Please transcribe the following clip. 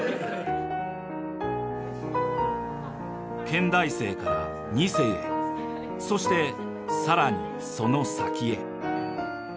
建大生から２世へそしてさらにその先へ。